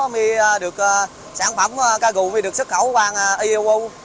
mới được sản phẩm ca gù mới được xuất khẩu qua iou